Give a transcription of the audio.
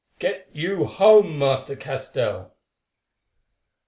Get you home, Master Castell."